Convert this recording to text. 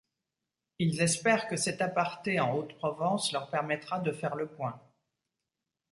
Ils espèrent que cet aparté en Haute Provence leur permettra de faire le point.